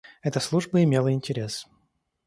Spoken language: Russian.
Эта служба имела интерес.